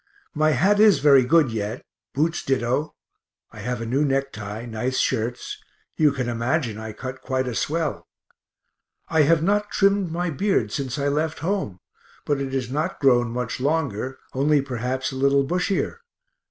My hat is very good yet, boots ditto; have a new necktie, nice shirts you can imagine I cut quite a swell. I have not trimmed my beard since I left home, but it is not grown much longer, only perhaps a little bushier.